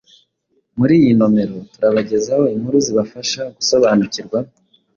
Muri iyi nomero turabagezaho inkuru zibafasha gusobanukirwa